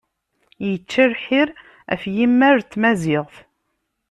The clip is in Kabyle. Yečča lḥir ɣef yimmal n Tmaziɣt.